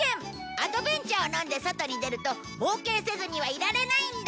アドベン茶を飲んで外に出ると冒険せずにはいられないんだ！